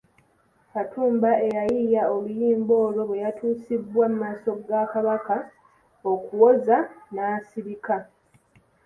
Katumba eyayiiya oluyimba olwo bwe yatuusibwa mu maaso ga Kabaka okuwoza n'asirika.